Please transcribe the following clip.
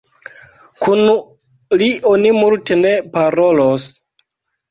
Kun li oni multe ne parolos!